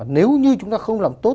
nếu như chúng ta không làm tốt